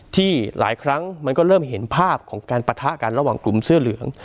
หลายครั้งมันก็เริ่มเห็นภาพของการปะทะกันระหว่างกลุ่มเสื้อเหลือง